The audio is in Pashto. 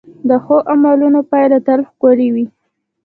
د ښو عملونو پایله تل ښکلې وي.